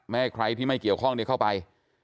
ให้ใครที่ไม่เกี่ยวข้องเข้าไป